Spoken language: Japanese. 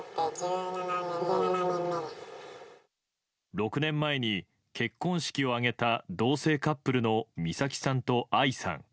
６年前に結婚式を挙げた同性カップルのみさきさんとあいさん。